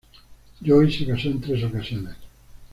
Joyce se casó en tres ocasiones.